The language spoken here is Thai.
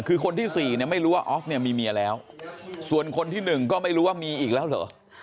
คือคนที่๔เนี่ยไม่รู้ว่าออฟเนี่ยมีเมียแล้วส่วนคนที่๑ก็ไม่รู้ว่ามีอีกแล้วเหรอ